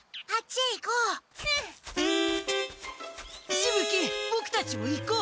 しぶ鬼ボクたちも行こう。